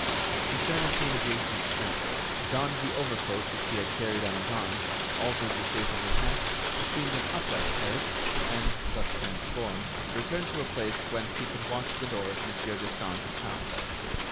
He turned into an adjacent street, donned the overcoat which he had carried on his arm, altered the shape of his hat, assumed an upright carriage, and, thus transformed, returned to a place whence he could watch the door of Mon. Destange's house.